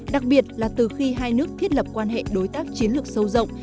đặc biệt là từ khi hai nước thiết lập quan hệ đối tác chiến lược sâu rộng